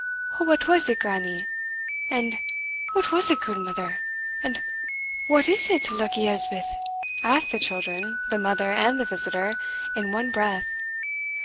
"O what was it, grannie?" and "What was it, gudemither?" and "What was it, Luckie Elspeth?" asked the children, the mother, and the visitor, in one breath.